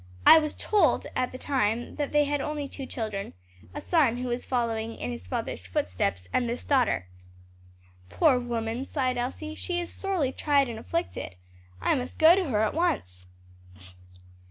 I was told at that time they had only two children a son who was following in his father's footsteps, and this daughter." "Poor woman!" sighed Elsie, "she is sorely tried and afflicted. I must go to her at once."